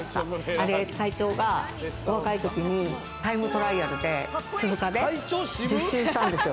あれ会長が若いときにタイムトライアルで鈴鹿で１０周したんですよ。